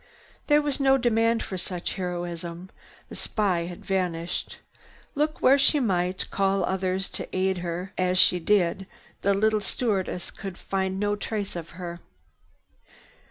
There was no demand for such heroism. The spy had vanished. Look where she might, call others to her aid as she did, the little stewardess could find no trace of her.